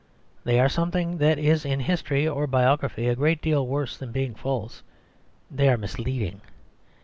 They are something that is in history or biography a great deal worse than being false they are misleading.